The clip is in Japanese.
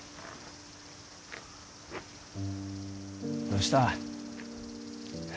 どうした？